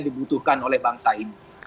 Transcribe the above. dibutuhkan oleh bangsa ini